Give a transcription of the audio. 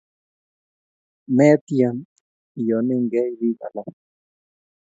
Metyem iyonyekey piik alak